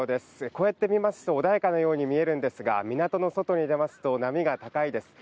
こうやって見ますと穏やかなように見えるんですが、港の外に出ますと、波が高いです。